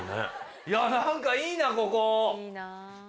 いや何かいいなここ。